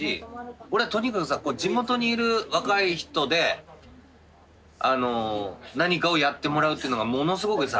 俺はとにかくさ地元にいる若い人で何かをやってもらうっていうのがものすごくさ